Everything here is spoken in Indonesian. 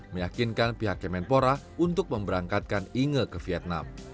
meyakinkan pihak kemenpora untuk memberangkatkan inge ke vietnam